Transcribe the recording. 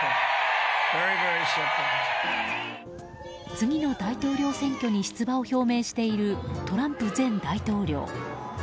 次の大統領選挙に出馬を表明しているトランプ前大統領。